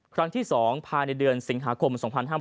ครั้งที่๒ภายในเดือนสิงหาคม๒๕๕๙